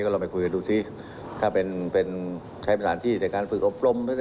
ลองไปคุยกันดูซิถ้าเป็นใช้สถานที่ในการฝึกอบรม